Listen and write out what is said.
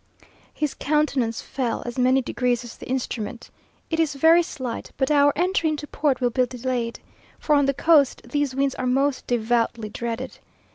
His countenance fell as many degrees as the instrument. It is very slight, but our entry into port will be delayed, for, on the coast, these winds are most devoutly dreaded.